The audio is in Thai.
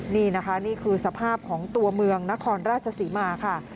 นี่นะคะนี่คือสภาพของตัวเมืองนครราชศรีมาค่ะ